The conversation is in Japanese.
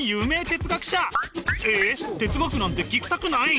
哲学なんて聞きたくない？